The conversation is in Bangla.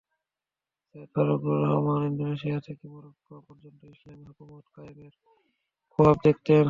সৈয়দ ফারুকুর রহমান ইন্দোনেশিয়া থেকে মরক্কো পর্যন্ত ইসলামি হুকুমত কায়েমের খোয়াব দেখতেন।